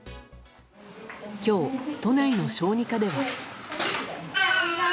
今日、都内の小児科では。